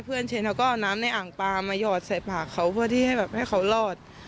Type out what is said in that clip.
เพื่อนเชนเขาก็เอาน้ำในอ่างปลามาหยอดใส่ปากเขาเพื่อที่ให้เขารอด